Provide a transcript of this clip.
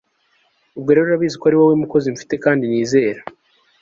ubwo rero urabizi ko ariwowe mukozi mfite kandi nizera